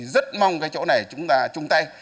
rất mong chỗ này chúng ta chung tay